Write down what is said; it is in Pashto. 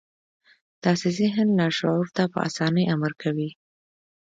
داسې ذهن لاشعور ته په اسانۍ امر کوي